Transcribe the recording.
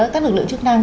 các lực lượng chức năng